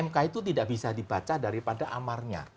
mk itu tidak bisa dibaca daripada amarnya